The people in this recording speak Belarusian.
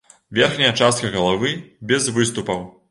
Верхняя частка галавы без выступаў.